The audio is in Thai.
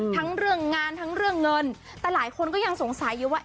ทั้งเรื่องงานทั้งเรื่องเงินแต่หลายคนก็ยังสงสัยอยู่ว่า